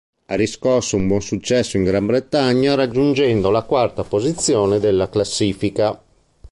Ha riscosso un buon successo in Gran Bretagna raggiungendo la quarta posizione della classifica.